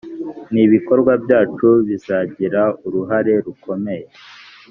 n ibikorwa byacu bizagira uruhare rukomeye